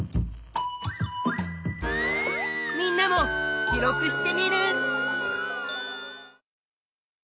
みんなも記録しテミルン！